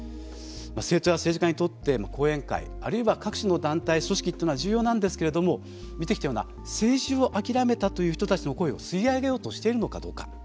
政党や政治家にとって後援会あるいは各種の団体や組織は重要なんですけれども見てきたような政治を諦めたという人たちの声を吸い上げようとしているのかどうか。